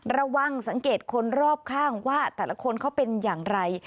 ระวังสังเกตคนรอบข้างว่าแต่ละคนเขาเป็นอย่างไร